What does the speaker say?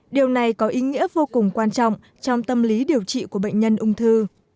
điều này có ý nghĩa vô cùng quan trọng trong tâm lý điều trị của bệnh nhân ung thư